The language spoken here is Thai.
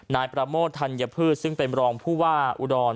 นายประโมทธัญพืชซึ่งเป็นรองผู้ว่าอุดร